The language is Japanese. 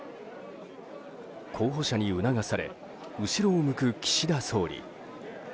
候補者に促され後ろを向く岸田総理。